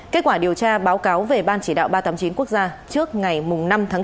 kết quả điều tra báo cáo về ban chỉ đạo ba trăm tám mươi chín quốc gia trước ngày năm tháng bốn